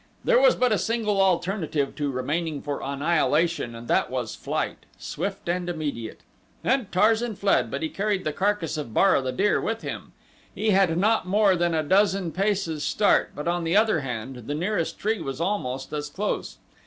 There was but a single alternative to remaining for annihilation and that was flight swift and immediate. And Tarzan fled, but he carried the carcass of Bara, the deer, with him. He had not more than a dozen paces start, but on the other hand the nearest tree was almost as close.